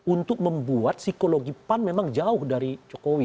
untuk membuat psikologi pan memang jauh dari jokowi